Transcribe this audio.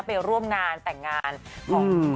ไปร่วมงานแต่งงานของ